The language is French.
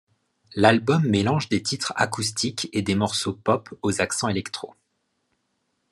L'album mélange des titres acoustiques et des morceaux pop aux accents electro'.